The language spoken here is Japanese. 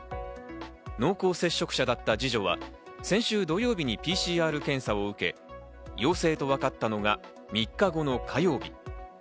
濃厚接触者だった二女は先週土曜日にＰＣＲ検査を受け、陽性とわかったのが３日後の火曜日。